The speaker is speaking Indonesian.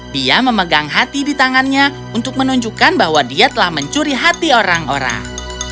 dia memegang hati di tangannya untuk menunjukkan bahwa dia telah mencuri hati orang orang